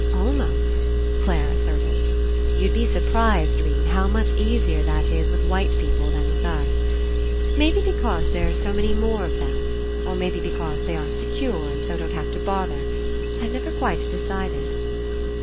"Almost," Clare asserted. "You'd be surprised, 'Rene, how much easier that is with white people than with us. Maybe because there 37 PASSING are so many more of them, or maybe because they are secure and so don't have to bother. I've never quite decided."